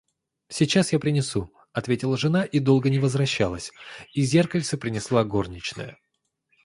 — Сейчас я принесу, — ответила жена и долго не возвращалась, и зеркальце принесла горничная.